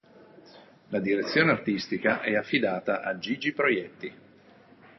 La direzione artistica è affidata a Gigi Proietti.